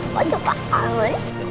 kau juga kangen